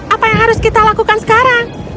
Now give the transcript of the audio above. apa yang harus kita lakukan sekarang